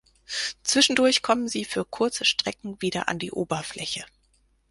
Zwischendurch kommen sie für kurze Strecken wieder an die Oberfläche.